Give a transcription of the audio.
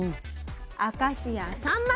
明石家さんまさん。